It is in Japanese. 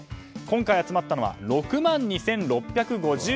今回集まったのは６万２６５７句。